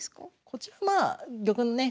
こちらまあ玉のね